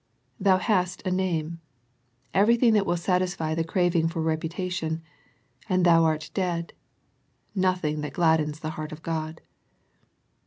" Thou J hast a name," everything that will satisfy the craving for reputation, " and thou art dead," nothing that gladdens the heart of God.